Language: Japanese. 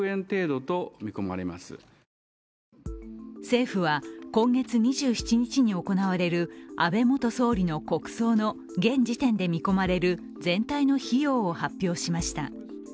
政府は今月２７日に行われる、安倍元総理の国葬の現時点で見込まれる全体の費用を発表しました。